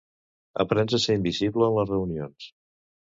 Aprens a ser invisible en les reunions.